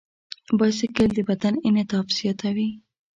بایسکل د بدن انعطاف زیاتوي.